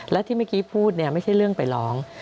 และที่เมื่อกี้พูดเนี่ยไม่ใช่เรื่องไปร้อง